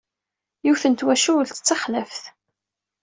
Yiwet n twacult d taxlaft!